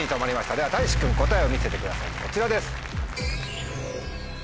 たいし君答えを見せてくださいこちらです。